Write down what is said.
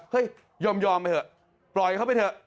ยอมไปเถอะปล่อยเขาไปเถอะ